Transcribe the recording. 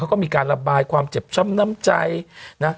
แล้วก็มีการระบายความเจ็บช้ำน้ำใจนะ